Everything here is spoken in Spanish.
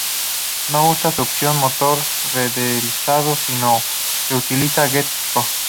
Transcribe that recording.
No usa su propio motor de renderizado sino que utiliza Gecko.